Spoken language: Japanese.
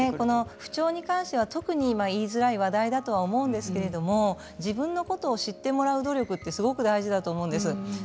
不調に関しては言いづらい話題だと思うんですけれども、自分のことを知ってもらう努力が大事だと思うんです。